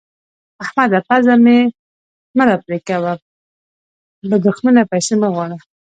احمده! پزه مې مه راپرې کوه؛ به دوښمنه پيسې مه غواړه.